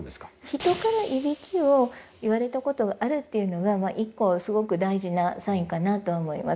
人からいびきを言われたことがあるっていうのが１個すごく大事なサインかなとは思います